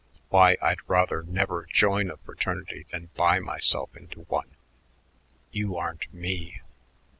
"Why, I'd rather never join a fraternity than buy myself into one." "You aren't me."